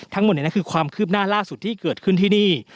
ทั้งหมดนี้คือความคืบหน้าล่าสุดที่เกิดขึ้นที่นี่